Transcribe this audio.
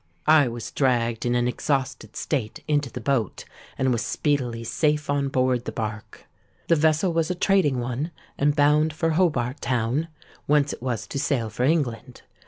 I was dragged in an exhausted state into the boat, and was speedily safe on board the bark. "The vessel was a trading one, and bound for Hobart Town, whence it was to sail for England.